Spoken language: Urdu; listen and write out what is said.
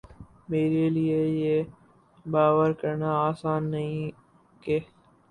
میرے لیے یہ باور کرنا آسان نہیں کہ